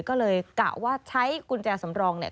ก็เลยกะว่าใช้กุญแจสำรองเนี่ย